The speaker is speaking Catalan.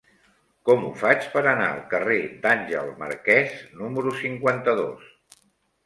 Com ho faig per anar al carrer d'Àngel Marquès número cinquanta-dos?